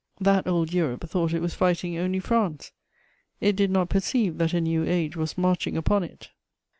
That old Europe thought it was fighting only France; it did not perceive that a new age was marching upon it.